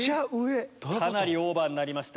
かなりオーバーになりました。